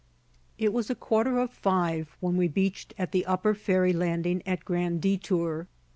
It was a quarter of five when we beached at the upper ferry landing at Grand Detour.